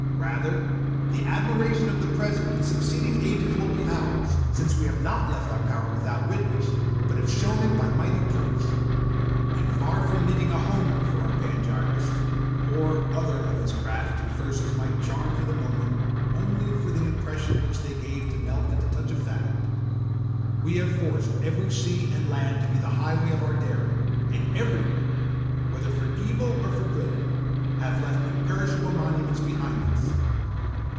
Rather, the admiration of the present and succeeding ages will be ours, since we have not left our power without witness, but have shown it by mighty proofs; and far from needing a Homer for our panegyrist, or other of his craft whose verses might charm for the moment only for the impression which they gave to melt at the touch of fact, we have forced every sea and land to be the highway of our daring, and everywhere, whether for evil or for good, have left imperishable monuments behind us.